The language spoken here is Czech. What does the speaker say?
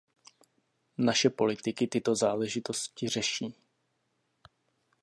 Naše politiky tyto záležitosti řeší.